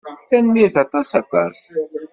Tanemmirt aṭas aṭas.